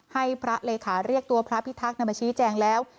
ให้พระเลขาเรียกตัวพระพิทักษ์มาชี้แจงแล้ว